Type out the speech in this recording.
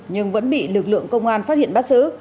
nhưng vẫn bị lực lượng công an phát hiện bắt giữ